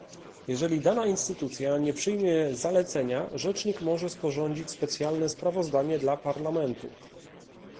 Jeżeli dana instytucja nie przyjmie zalecenia, rzecznik może sporządzić specjalne sprawozdanie dla Parlamentu